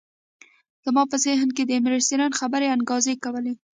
زما په ذهن کې د ایمرسن خبرو انګازې کولې